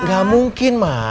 gak mungkin mak